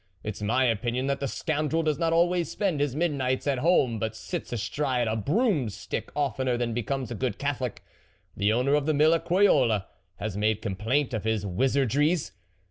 It's my opinion that the scoundrel does not always spend his midnights at home, but sits astride a broom stick oftener than becomes a good Catholic; the owner of the mill at Croyolles ha made complaint of his wizardries.